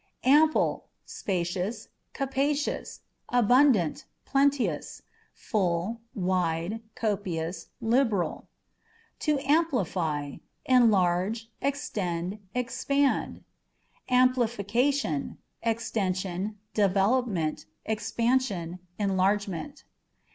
Ample â€" spacious, capacious ; abundant, plenteous, full, wide, copious, liberal. To Amplify â€" enlarge, extend, expand. Amplificationâ€" extension, development, expansion, enlarge ment.